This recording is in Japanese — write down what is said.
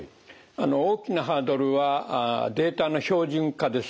大きなハードルはデータの標準化です。